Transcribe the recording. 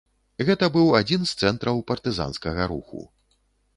Гэта быў адзін з цэнтраў партызанскага руху.